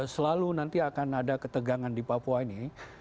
selalu nanti akan ada ketegangan di papua ini